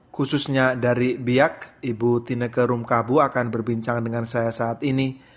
khususnya dari biak ibu tineka rumkabu akan berbincang dengan saya saat ini